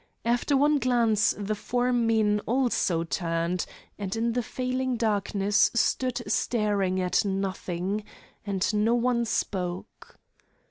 After one glance the four men also turned, and in the falling darkness stood staring at nothing, and no one spoke.